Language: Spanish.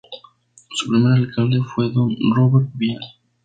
Su primer Alcalde fue Don Roberto Vial.